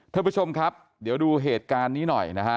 ท่านผู้ชมครับเดี๋ยวดูเหตุการณ์นี้หน่อยนะฮะ